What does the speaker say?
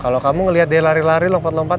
kalau kamu ngeliat dia lari lari lompat lompat